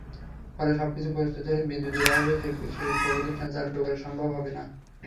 ফলে সবকিছু প্রস্তুত হলেও বিদ্যুতের অভাবে শিল্পপ্রতিষ্ঠান চালু করা সম্ভব হবে না।